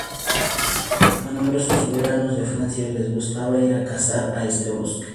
A numerosos soberanos de Francia les gustaba ir a cazar a este bosque.